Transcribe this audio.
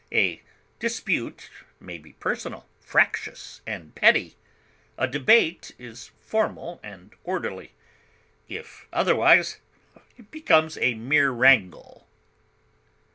A dispute may be personal, fractious, and petty; a debate is formal and orderly; if otherwise, it becomes a mere wrangle.